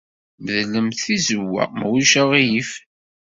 Medlemt tizewwa, ma ulac aɣilif.